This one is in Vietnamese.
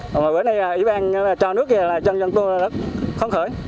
còn bữa nay ý ban cho nước kia là dân dân tôi khó khởi